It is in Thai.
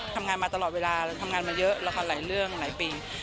ทำงานมาตลอดเวลาทำงานมาเยอะละครหลายเรื่องหลายปี